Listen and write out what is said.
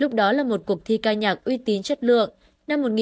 lúc đó là một cuộc thi ca nhạc uy tín chất lượng